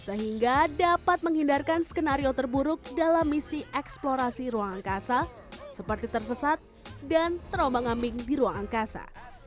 sehingga dapat menghindarkan skenario terburuk dalam misi eksplorasi ruang angkasa seperti tersesat dan terombang ambing di ruang angkasa